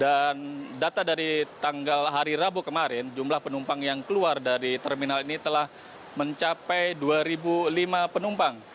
dan data dari tanggal hari rabu kemarin jumlah penumpang yang keluar dari terminal ini telah mencapai dua lima penumpang